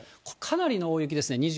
これ、かなりの大雪ですね。